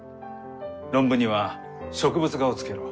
論文には植物画をつけろ。